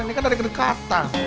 ini kan dari kedekatan